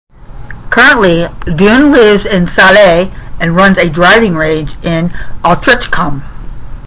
Currently, Dunne lives in Sale and runs a driving range in Altrincham.